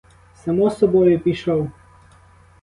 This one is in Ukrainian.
Само собою — пішов!